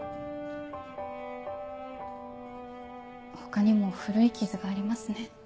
他にも古い傷がありますね。